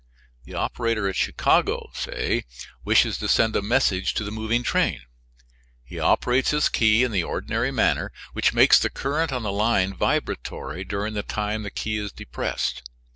The operator at Chicago, say, wishes to send a message to the moving train; he operates his key in the ordinary manner, which makes the current on the line vibratory during the time the key is depressed.